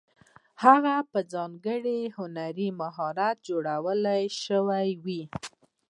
هغه په ځانګړي هنري مهارت جوړې شوې وې.